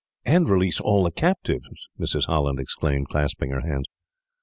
"And release all the captives," Mrs. Holland exclaimed, clasping her hands.